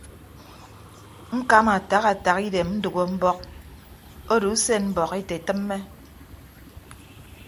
Ñkama ataha ataha idem ndәgho mbọk odo usen mbọk ete tịmme.